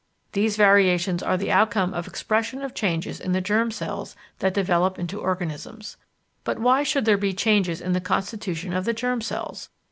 These variations are the outcome of expression of changes in the germ cells that develop into organisms. But why should there be changes in the constitution of the germ cells?